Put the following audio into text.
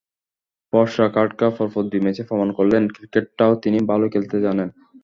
পরশ খাড়কা পরপর দুই ম্যাচে প্রমাণ করলেন, ক্রিকেটটাও তিনি ভালোই খেলতে জানেন।